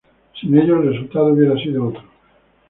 Sin ellos el resultado hubiera sido otro.